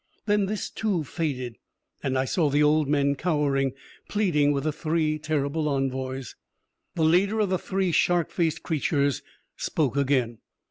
Then, this too faded, and I saw the old men cowering, pleading with the three terrible envoys. The leader of the three shark faced creatures spoke again.